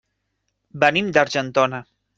Venim d'Argentona.